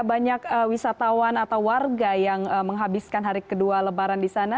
banyak wisatawan atau warga yang menghabiskan hari kedua lebaran di sana